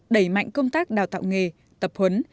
đẩy mạnh công tác đào tạo nghề tập huấn